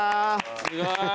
すごい。